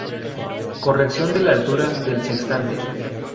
Corrección de la altura del sextante.